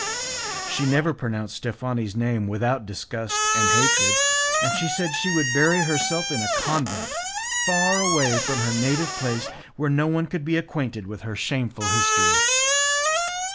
She never pronounced Steffani's name without disgust and hatred, and she said she would bury herself in a convent, far away from her native place, where no one could be acquainted with her shameful history.